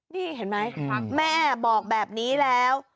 นี่เห็นไหมแม่บอกแบบนี้แล้ว